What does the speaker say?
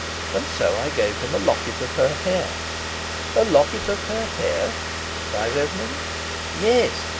And so I gave him a locket of her hair." "A locket of her hair?" cries Esmond. "Yes.